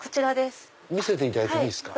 見せていただいていいですか？